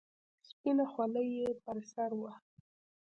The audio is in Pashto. سپينه خولۍ يې پر سر وه.